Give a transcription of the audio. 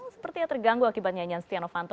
seperti terganggu akibat nyanyian stiano fanto